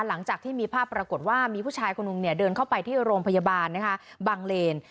หลังจากที่มีภาพปรากฏว่ามีผู้ชายคนหนึ่งเดินเข้าไปที่โรงพยาบาลนะคะบังเลน